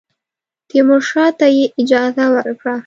تیمورشاه ته یې اجازه ورکړه.